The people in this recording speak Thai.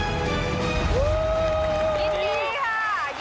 ยินดีค่ะ